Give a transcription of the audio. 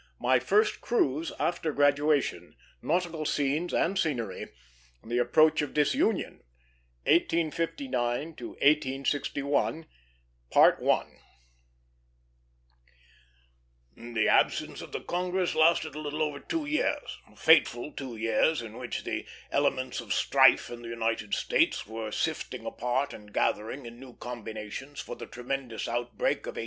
VI MY FIRST CRUISE AFTER GRADUATION NAUTICAL SCENES AND SCENERY THE APPROACH OF DISUNION 1859 1861 The absence of the Congress lasted a little over two years, the fateful two years in which the elements of strife in the United States were sifting apart and gathering in new combinations for the tremendous outbreak of 1861.